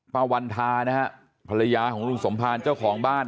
พระวรรธานะพรยาของลุงสมภารเจ้าของบ้าน